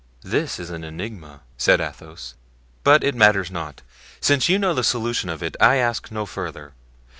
"This is an enigma," said Athos, "but it matters not; since you know the solution of it I ask no further.